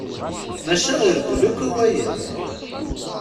Maca ireggel akk i waya.